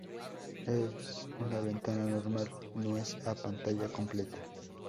Es una ventana normal, no es a pantalla completa.